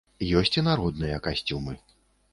Ёсць і народныя касцюмы.